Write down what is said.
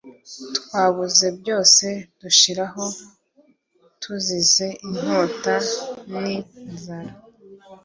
twabuze byose dushiraho tuzize inkota n inzara